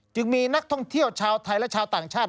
มีนักท่องเที่ยวชาวไทยและชาวต่างชาติ